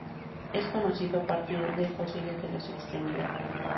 Es conocido a partir de fósiles de las extremidades.